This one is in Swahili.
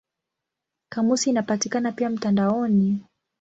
Kamusi inapatikana pia mtandaoni.